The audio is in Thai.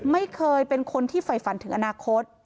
ไม่เคยเป็นคนที่ฝ่ายฝันถึงอนาคต